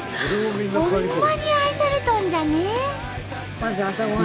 ほんまに愛されとんじゃね！